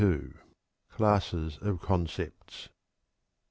Classes of Concepts.